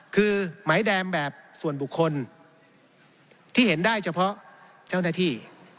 คือหมายแดมแบบส่วนบุคคลที่เห็นได้เฉพาะเจ้าหน้าที่